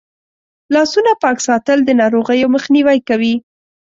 لاسونه پاک ساتل د ناروغیو مخنیوی کوي.